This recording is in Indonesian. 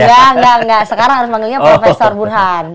enggak enggak sekarang harus panggilnya profesor burhanuddin